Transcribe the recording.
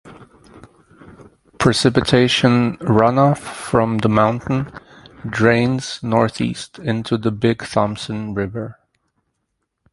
Precipitation runoff from the mountain drains northeast into the Big Thompson River.